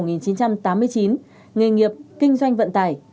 nghề nghiệp kinh doanh vận tải